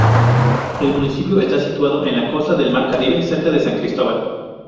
El municipio está situado en la costa del Mar Caribe, cerca de San Cristóbal.